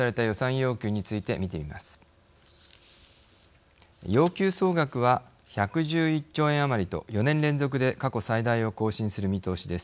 要求総額は１１１兆円余りと４年連続で過去最大を更新する見通しです。